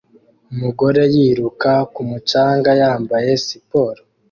Umugore yiruka ku mucanga yambaye siporo